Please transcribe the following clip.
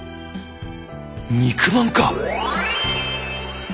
肉まんか！